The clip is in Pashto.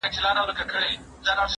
دا ليکنه له هغه ښه ده؟